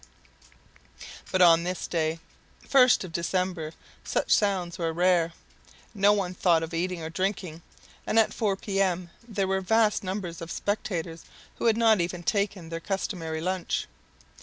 But on this day, 1st of December, such sounds were rare. No one thought of eating or drinking, and at four P.M. there were vast numbers of spectators who had not even taken their customary lunch!